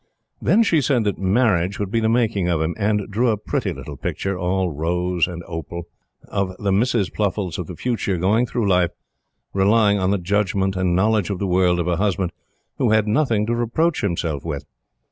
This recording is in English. Then she said that marriage would be the making of him; and drew a pretty little picture all rose and opal of the Mrs. Pluffles of the future going through life relying on the "judgment" and "knowledge of the world" of a husband who had nothing to reproach himself with.